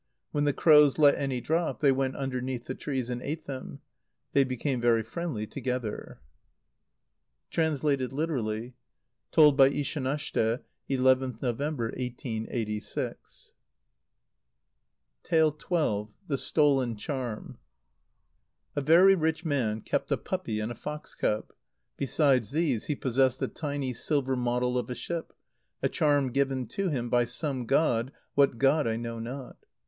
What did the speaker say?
When the crows let any drop, they went underneath the trees and ate them. They became very friendly together. (Translated literally. Told by Ishanashte, 11th November, 1886.) xii. The Stolen Charm. A very rich man kept a puppy and a fox cub. Besides these he possessed a tiny silver model of a ship, a charm given to him by some god, what god I know not.